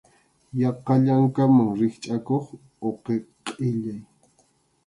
Yaqa llankaman rikchʼakuq uqi qʼillay.